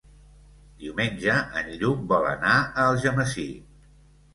Diumenge en Lluc vol anar a Algemesí.